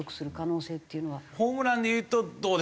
ホームランでいうとどうでしょうね